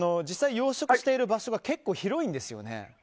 実際に養殖している場所が結構広いんですよね。